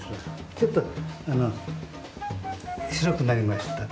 ちょっと白くなりました。